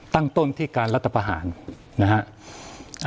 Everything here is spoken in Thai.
ตั้งต้นที่การรัฐประหารนะฮะ